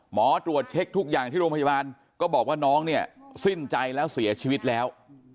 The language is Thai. หมอตรวจเช็คทุกอย่างที่โรงพยาบาลก็บอกว่าน้องเนี่ยสิ้นใจแล้วเสียชีวิตแล้ว